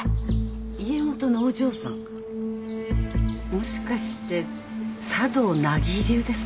もしかして茶道名木流ですか？